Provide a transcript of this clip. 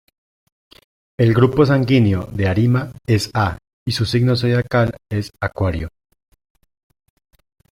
El grupo sanguíneo de Arima es A y su signo zodiacal es Acuario.